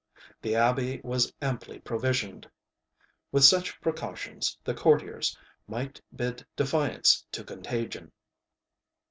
The abbey was amply provisioned. With such precautions the courtiers might bid defiance to contagion.